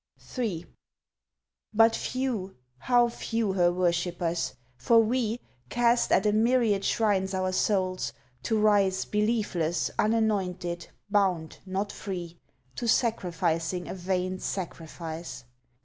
3 But few, how few her worshippers! For we Cast at a myriad shrines our souls, to rise Beliefless, unanointed, bound not free, To sacrificing a vain sacrifice!